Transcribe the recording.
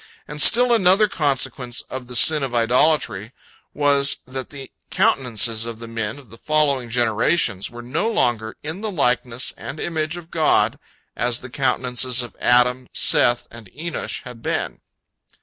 And still another consequence of the sin of idolatry was that the countenances of the men of the following generations were no longer in the likeness and image of God, as the countenances of Adam, Seth, and Enosh had been.